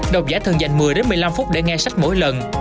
đọc giả thường dành một mươi một mươi năm phút để nghe sách mỗi lần